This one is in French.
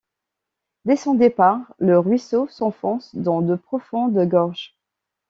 Dès son départ le ruisseau s'enfonce dans de profondes gorges.